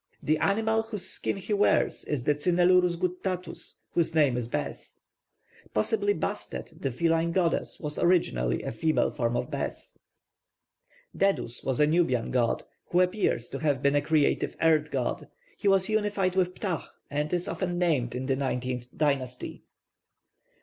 The animal whose skin he wears is the cynaelurus guttatus, whose name is bes. Possibly Bastet, the feline goddess, was originally a female form of Bēs. +Dedun+ was a Nubian god, who appears to have been a creative earth god. He was unified with Ptah, and is often named in the nineteenth dynasty.